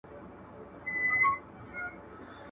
څوك به ليكي قصيدې د كونړونو.